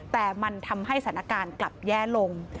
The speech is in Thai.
แต่มันทำให้สถานการณ์กลับแย่ลง